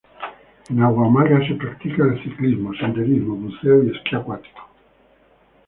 En Agua Amarga se practica el ciclismo, senderismo Buceo y Esquí acuático.